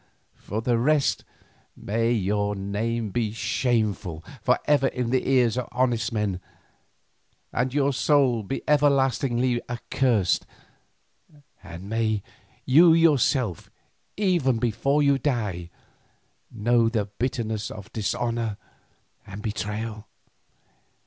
For the rest, may your name be shameful for ever in the ears of honest men and your soul be everlastingly accursed, and may you yourself, even before you die, know the bitterness of dishonour and betrayal!